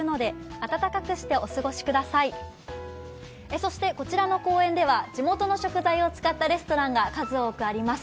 そしてこちらの公園では、地元の食材を使ったレストランが数多くあります。